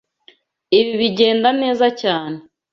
Ibi bigenda neza cyane.